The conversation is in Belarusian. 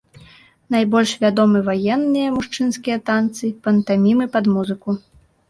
Найбольш вядомы ваенныя мужчынскія танцы, пантамімы пад музыку.